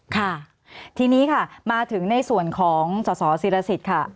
ค่ะทีนี้ค่ะมาถึงในส่วนของสสิรสิทธิ์ค่ะ